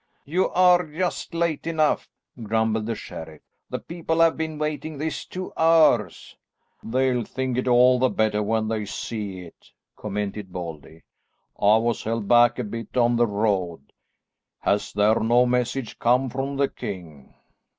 "You are just late enough," grumbled the sheriff. "The people have been waiting this two hours." "They'll think it all the better when they see it," commented Baldy. "I was held back a bit on the road. Has there no message come from the king?"